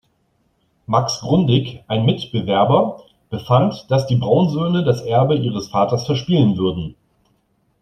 Max Grundig, ein Mitbewerber, befand, dass die Braun-Söhne das Erbe ihres Vaters verspielen würden.